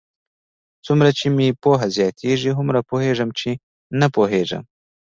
څومره چې مې پوهه زیاتېږي، هومره پوهېږم؛ چې نه پوهېږم.